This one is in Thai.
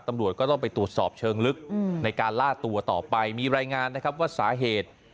ตำรวจก็ต้องไปตรวจสอบเชิงลึกในการล่าตัวต่อไปมีรายงานนะครับว่าสาเหตุ